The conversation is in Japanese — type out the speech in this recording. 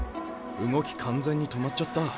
動き完全に止まっちゃった。